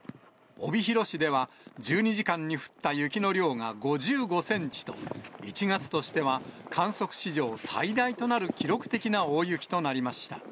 帯広市では、１２時間に降った雪の量が５５センチと、１月としては観測史上最大となる記録的な大雪となりました。